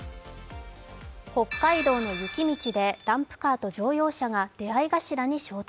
北海道の雪道でダンプカーと乗用車が出会い頭に衝突。